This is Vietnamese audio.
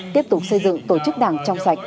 tiếp tục xây dựng tổ chức đảng trong sạch